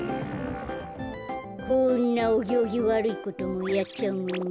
こんなおぎょうぎわるいこともやっちゃうもんね。